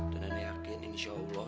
dan aneh yakin insya allah